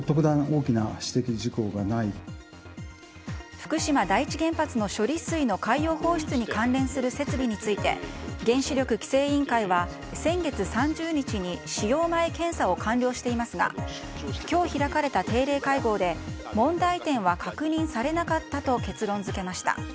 福島第一原発の処理水の海洋放出に関連する設備について原子力規制委員会は先月３０日に使用前検査を完了していますが今日、開かれた定例会合で問題点は確認されなかったと結論付けました。